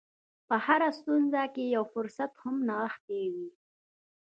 په هره ستونزه کې یو فرصت هم نغښتی وي